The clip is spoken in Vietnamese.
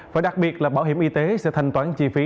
và đặc biệt là bảo hiểm y tế sẽ thanh toán chi phí